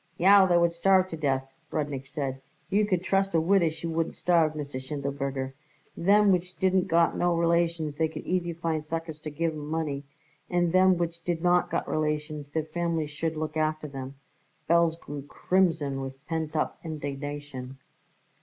"Yow, they would starve to death!" Rudnik said. "You could trust a widder she wouldn't starve, Mr. Schindelberger. Them which didn't got no relations they could easy find suckers to give 'em money, and them which did got relations, their families should look after 'em." Belz grew crimson with pent up indignation.